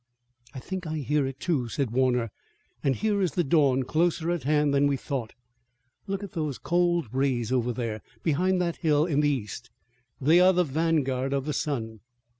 "I think I hear it, too," said Warner, "and here is the dawn closer at hand than we thought. Look at those cold rays over there, behind that hill in the east. They are the vanguard of the sun."